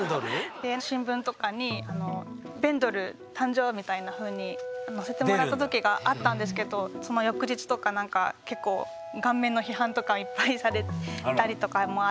弁ドル⁉新聞とかに「弁ドル誕生」みたいなふうに載せてもらったときがあったんですけどその翌日とかなんか結構顔面の批判とかいっぱいされたりとかもあって。